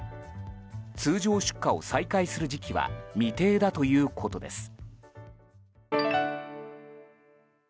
通常出荷を再開する時期は未定だということです。